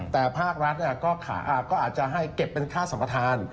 แต่ภาครัฐก็อาจจะให้เก็บเป็นค่าสัมปทาน